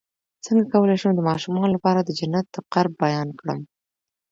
څنګه کولی شم د ماشومانو لپاره د جنت د قرب بیان کړم